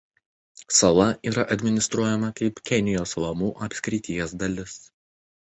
Sala yra administruojama kaip Kenijos Lamu apskrities dalis.